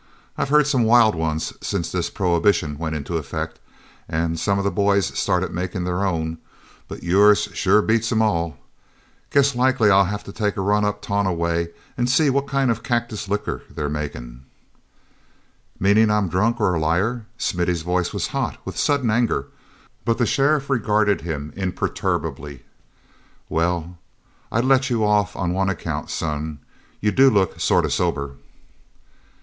I've heard some wild ones since this Prohibition went into effect and some of the boys started makin' their own, but yours sure beats 'em all. Guess likely I'll have to take a run up Tonah way and see what kind of cactus liquor they're makin'." "Meaning I'm drunk or a liar." Smithy's voice was hot with sudden anger, but the sheriff regarded him imperturbably. "Well, I'd let you off on one count, son. You do look sort of sober."